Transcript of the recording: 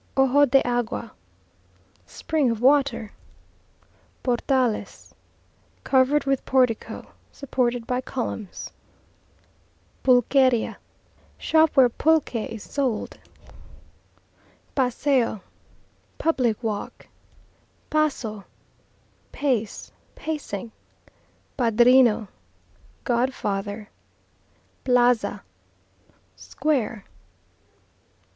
Ojo de Agua Spring of water. Portales Covered portico supported by columns. Pulqueria Shop where pulque is sold. Paseo Public walk. Paso Pace, pacing. Padrino Godfather. Plaza Square.